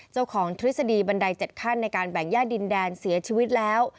ทฤษฎีบันได๗ขั้นในการแบ่งย่าดินแดนเสียชีวิตแล้ว